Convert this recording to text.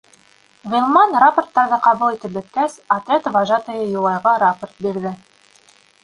Ғилман, рапорттарҙы ҡабул итеп бөткәс, отряд вожатыйы Юлайға рапорт бирҙе.